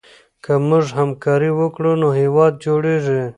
که موږ همکاري وکړو نو هېواد جوړېږي.